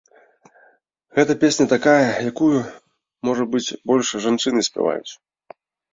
Гэта песня такая, якую, можа быць, больш жанчыны спяваюць.